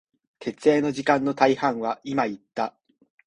徹夜の時間の大半は、今言った、